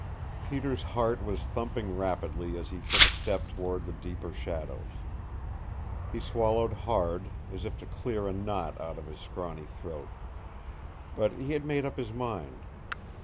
Peter's heart was thumping rapidly as he took a step toward the deeper shadows. He swallowed hard, as if to clear a knot out of his scrawny throat. But he had made up his mind.